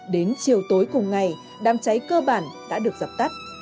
đến chiều tối cùng ngày đám cháy cơ bản đã được dập tắt